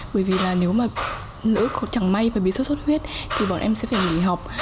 bởi vì nếu mà nữ chẳng may và bị sốt xuất huyết thì bọn em sẽ phải nghỉ học